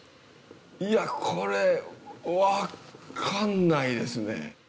いやこれわかんないですね。